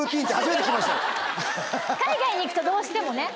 海外に行くとどうしてもね。